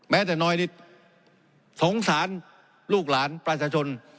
แต่น้อยนิดสงสารลูกหลานประชาชน